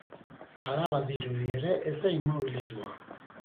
Hala badirudi ere, ez da immobilismoa.